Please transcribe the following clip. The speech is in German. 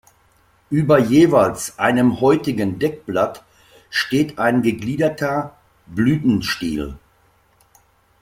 Über jeweils einem häutigen Deckblatt steht ein gegliederter Blütenstiel.